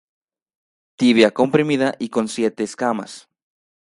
Tibia comprimida y con siete escamas.